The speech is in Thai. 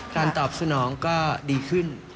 ตอบสนองก็ดีขึ้น